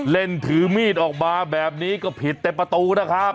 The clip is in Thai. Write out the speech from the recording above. เล่นถือมีดออกมาแบบนี้ก็ผิดแต่ประตูนะครับ